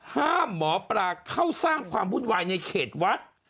ห้ามหมอปลาเข้าสร้างความวุ่นวายในเขตวัด